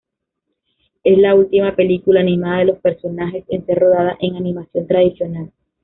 Es la última película animada de los personajes en ser rodada en animación tradicional.